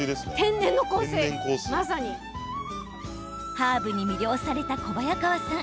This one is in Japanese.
ハーブに魅了された小早川さん。